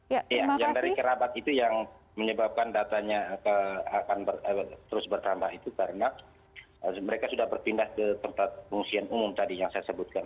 iya yang dari kerabat itu yang menyebabkan datanya akan terus bertambah itu karena mereka sudah berpindah ke tempat pengungsian umum tadi yang saya sebutkan